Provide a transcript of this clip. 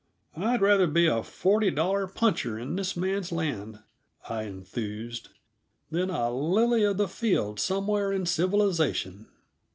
"I'd rather be a forty dollar puncher in this man's land," I enthused, "than a lily of the field somewhere in civilization."